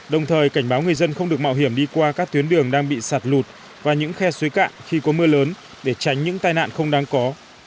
đồng thời cảnh báo người dân không được mạo hiểm đi qua các tuyến đường đang bị sạt lụt và những khe suối cạn khi có mưa lớn để tránh những tai nạn không đáng có